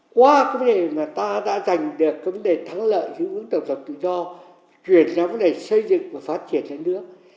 qua cái vấn đề mà ta đã giành được cái vấn đề thắng lợi hướng tổng thống tự do chuyển ra vấn đề xây dựng và phát triển thành nước